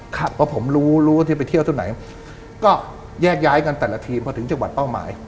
เพราะผมรู้รู้ว่าที่ไปเที่ยวตรงไหนก็แยกย้ายกันแต่ละทีมพอถึงจังหวัดเป้าหมาย